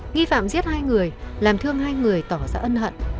nghi phạm giết hai người làm thương hai người tỏ ra ân hận